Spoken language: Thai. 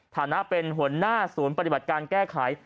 ฐานะเป็นหัวหน้าศูนย์ปฏิบัติการแก้ไข